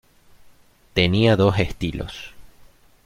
Tenía dos estilos.